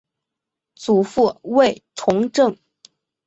祖父卫从政。